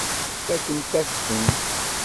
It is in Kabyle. Fakkent-ak-ten.